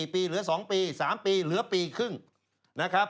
๔ปีเหลือ๒ปี๓ปีเหลือปีครึ่งนะครับ